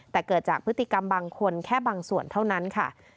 แต่เกิดจากพฤติกรรมบางคนแค่บางส่วนเท่านั้นค่ะ